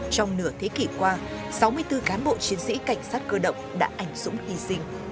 trong nửa thế kỷ qua sáu mươi bốn cán bộ chiến sĩ cảnh sát cơ động đã ảnh dũng hy sinh